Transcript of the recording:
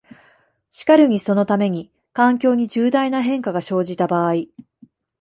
しかるにそのために、環境に重大な変化が生じた場合、